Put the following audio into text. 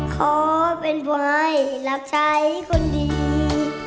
ขอเป็นผู้ให้รักใช้คนดี